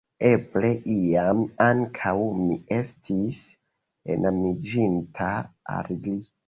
Eble, iam, ankaŭ mi estis enamiĝinta al li.